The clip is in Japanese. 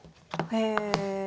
へえ。